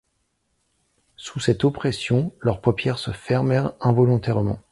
Sous cette oppression, leurs paupières se fermèrent involontairement.